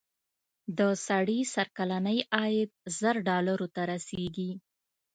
د سړي سر کلنی عاید زر ډالرو ته رسېږي.